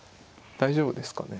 大丈夫ですかね。